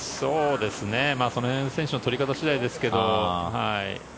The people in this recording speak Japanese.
その辺選手の取り方次第ですけど。